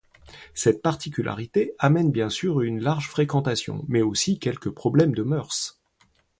Cette particularité amène bien sûr une large fréquentation mais aussi quelques problèmes de mœurs.